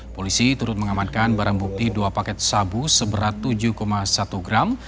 polisi turut mengamankan barang bukti dua paket sabu seberat tujuh satu gram